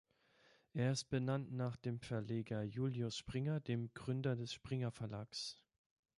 Er ist benannt nach dem Verleger Julius Springer, dem Gründer des Springer-Verlags.